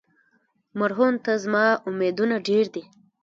مرهون ته زما امیدونه ډېر دي.